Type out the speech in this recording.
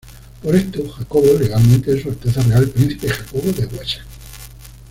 Por esto, Jacobo legalmente es Su Alteza Real príncipe Jacobo de Wessex.